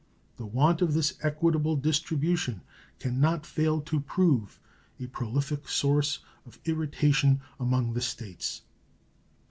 The want of this equitable distribution can not fail to prove a prolific source of irritation among the States.